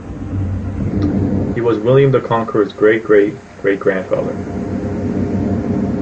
He was William the Conqueror's great-great-great-grandfather.